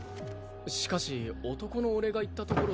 しかし男の俺が言ったところで